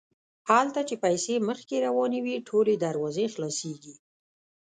هلته چې پیسې مخکې روانې وي ټولې دروازې خلاصیږي.